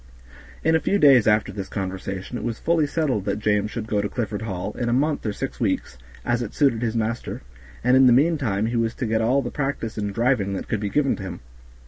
In a few days after this conversation it was fully settled that James should go to Clifford Hall, in a month or six weeks, as it suited his master, and in the meantime he was to get all the practice in driving that could be given to him.